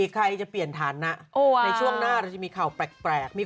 ใครจะอะไรคะพี่